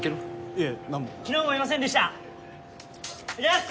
いえ何も昨日もいませんでしたチャス！